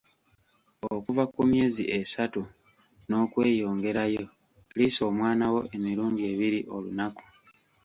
Okuva ku myezi esatu n'okweyongerayo, liisa omwana wo emirundi ebiri olunaku.